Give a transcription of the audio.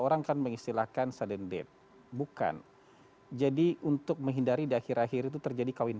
orang kan mengistilahkan sudden death bukan jadi untuk menghindari di akhir akhir itu terjadi kawin